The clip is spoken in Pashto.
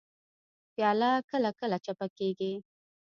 پیاله کله کله چپه کېږي.